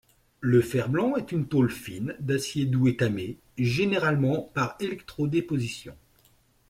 Le fer-blanc est une tôle fine d'acier doux étamée, généralement par électro-déposition.